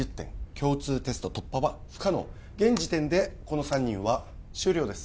共通テスト突破は不可能現時点でこの３人は終了です